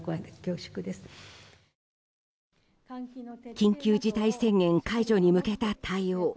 緊急事態宣言解除に向けた対応。